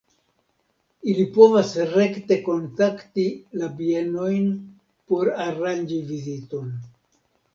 Ili povas rekte kontakti la bienojn por aranĝi viziton.